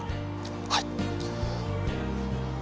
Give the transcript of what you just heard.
はい。